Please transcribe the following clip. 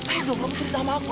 ayo dong bercerita sama aku